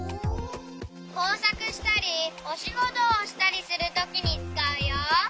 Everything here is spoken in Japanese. こうさくしたりおしごとをしたりするときにつかうよ。